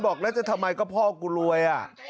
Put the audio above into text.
บอกแล้วจะทำไมก็พ่อกูรวย